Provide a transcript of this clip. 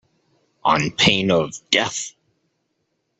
On pain of death.